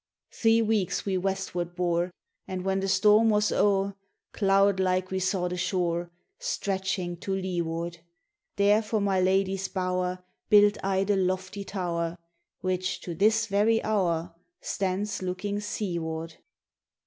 'Three weeks we westward bore, And when the storm was o'er, Cloud like we saw the shore Stretching to leeward; There for my lady's bower Built I the lofty tower, Which, to this very hour, Stands looking seaward.